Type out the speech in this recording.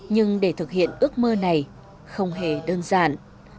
nhưng để thực hiện ước mơ này không hề đơn giản